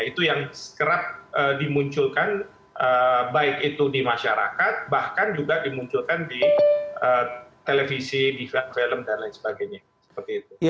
itu yang sering dimunculkan baik itu di masyarakat bahkan juga dimunculkan di televisi di film dan lain sebagainya